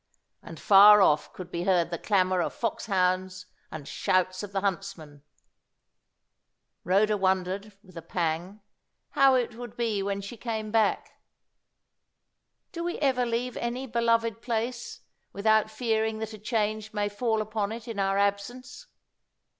And far off could be heard the clamour of foxhounds and shouts of the huntsmen. Rhoda wondered, with a pang, how it would be when she came back. Do we ever leave any beloved place without fearing that a change may fall upon it in our absence?